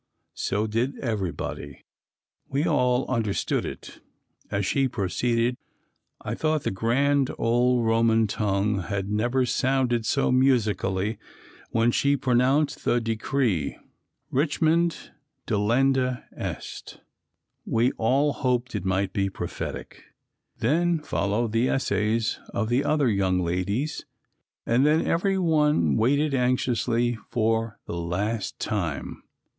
So did everybody. We all understood it. As she proceeded, I thought the grand old Roman tongue had never sounded so musically and when she pronounced the decree, 'Richmond delenda est,' we all hoped it might be prophetic. Then followed the essays of the other young ladies and then every one waited anxiously for 'The Last Time.'